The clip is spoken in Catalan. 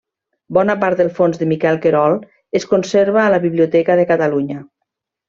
Bona part del fons de Miquel Querol es conserva a la Biblioteca de Catalunya.